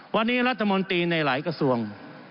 วันนี้รัฐมนตรีในหลายกระทรวง